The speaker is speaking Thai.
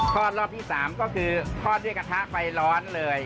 อดรอบที่๓ก็คือทอดด้วยกระทะไฟร้อนเลย